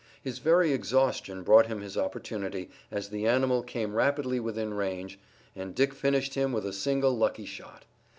His very exhaustion brought him his opportunity, as the animal came rapidly within range, and Dick finished him with a single lucky shot.